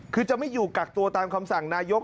คือจะไม่อยู่กักตัวตามคำสั่งนายก